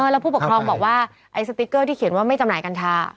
แล้วผู้ปกครองบอกว่าไอ้สติ๊กเกอร์ที่เขียนว่าไม่จำหน่ากัญชา